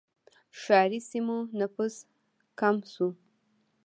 ښاري سیمو نفوس کم شو.